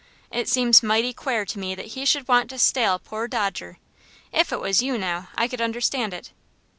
It seems mighty quare to me that he should want to stale poor Dodger. If it was you, now, I could understand it."